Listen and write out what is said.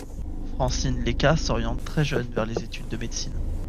Francine Leca s’oriente très jeune vers les études de médecine.